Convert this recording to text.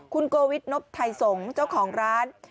คุณโกวิทนพไทยสงศ์เจ้าของร้าน